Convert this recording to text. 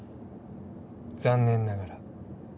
残念ながら。